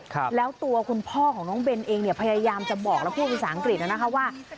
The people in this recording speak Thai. ครับแล้วตัวคุณพ่อของน้องเบนเองเนี่ยพยายามจะบอกแล้วพูดภาษาอังกฤษน่ะนะคะว่า